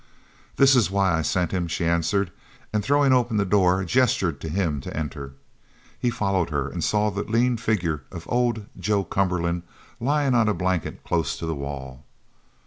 "This is why I sent him!" she answered, and throwing open the door gestured to him to enter. He followed her and saw the lean figure of old Joe Cumberland lying on a blanket close to the wall.